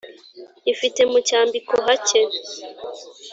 ifite mu cyambiko hake.